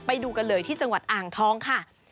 ไปดูกันเลยที่จังหวัดอ่างทองค่ะ